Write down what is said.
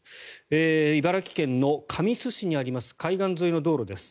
茨城県の神栖市にあります海岸沿いの道路です。